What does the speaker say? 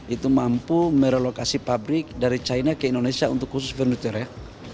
itu mampu merelokasi pabrik dari china ke indonesia untuk khusus furniture ya